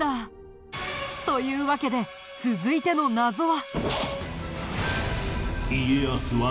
というわけで続いての謎は。